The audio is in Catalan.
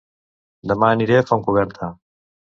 Dema aniré a Fontcoberta